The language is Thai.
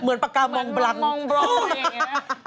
เหมือนกันเลยอ่ะ